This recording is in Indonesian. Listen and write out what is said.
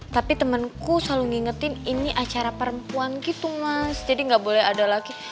tapi temenku selalu ngingetin ini acara perempuan gitu mas jadi gak boleh ada lagi